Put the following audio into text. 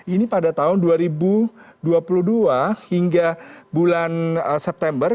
ini pada tahun dua ribu dua puluh dua hingga bulan september